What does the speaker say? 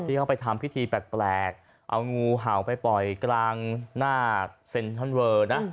เข้าไปทำพิธีแปลกเอางูเห่าไปปล่อยกลางหน้าเซ็นทรัลเวอร์นะ